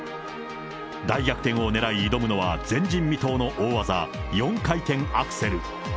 大逆転をねらい挑むのは前人未到の大技、４回転アクセル。